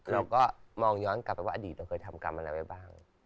เราก็มองย้อนกลับไปว่าอดีตเราเคยทำกรรมอะไรไว้บ้าง